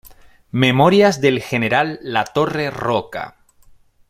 Memorias del general Latorre Roca".